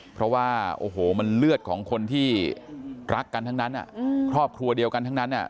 เพราะว่าโอ้โหมันเลือดของคนที่รักกันทั้งนั้นครอบครัวเดียวกันทั้งนั้น